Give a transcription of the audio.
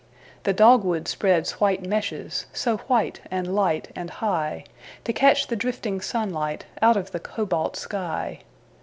The dogwood spreads white meshes—So white and light and high—To catch the drifting sunlightOut of the cobalt sky.